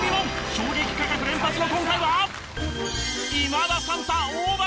衝撃価格連発の今回は。